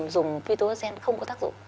dùng phyto oxygen không có tác dụng